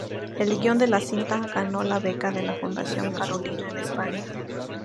El guion de la cinta ganó la beca de la fundación Carolina, en España.